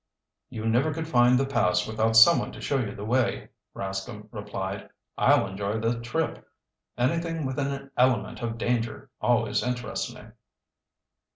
"You never could find the pass without someone to show you the way," Rascomb replied. "I'll enjoy the trip. Anything with an element of danger always interests me!"